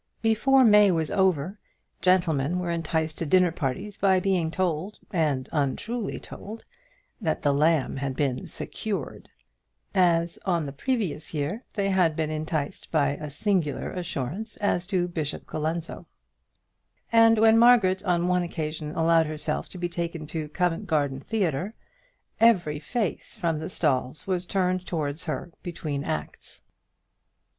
Before May was over, gentlemen were enticed to dinner parties by being told and untruly told that the Lamb had been "secured;" as on the previous year they had been enticed by a singular assurance as to Bishop Colenso; and when Margaret on one occasion allowed herself to be taken to Covent Garden Theatre, every face from the stalls was turned towards her between the acts.